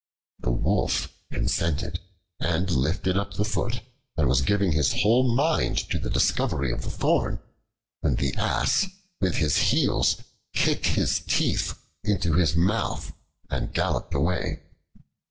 The Wolf consented and lifted up the foot, and was giving his whole mind to the discovery of the thorn, when the Ass, with his heels, kicked his teeth into his mouth and galloped away.